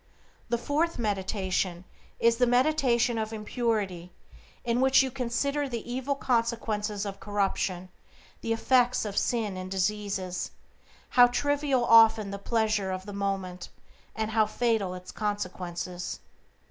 "The fourth meditation is the meditation of impurity, in which you consider the evil consequences of corruption, the effects of sin and diseases. How trivial often the pleasure of the moment, and how fatal its consequences.